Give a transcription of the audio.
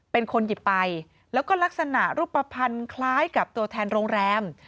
เป็นคนหยิบไปแล้วก็ลักษณะรูปภัณฑ์คล้ายกับตัวแทนโรงแรม